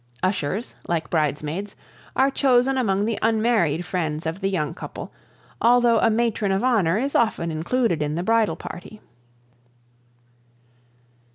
Ushers, like bridesmaids, are chosen among the unmarried friends of the young couple, although a matron of honor is often included in the bridal party.